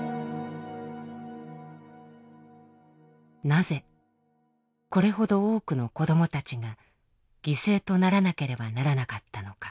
なぜこれほど多くの子どもたちが犠牲とならなければならなかったのか。